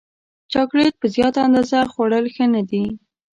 چاکلېټ په زیاته اندازه خوړل ښه نه دي.